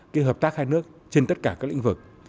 cái hợp tác hai nước trên tất cả các lĩnh vực